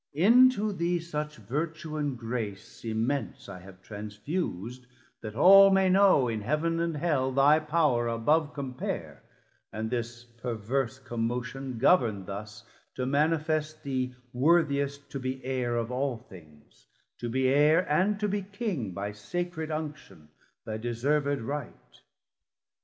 Into thee such Vertue and Grace Immense I have transfus'd, that all may know In Heav'n and Hell thy Power above compare, And this perverse Commotion governd thus, To manifest thee worthiest to be Heir Of all things, to be Heir and to be King By Sacred Unction, thy deserved right.